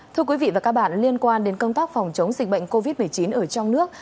thưa quý vị và các bạn liên quan đến công tác phòng chống dịch bệnh covid một mươi chín ở trong nước